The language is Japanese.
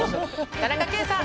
田中圭さん